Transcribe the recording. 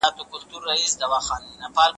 عدالت ټولنیز توازن او همغږي پیاوړې کوي.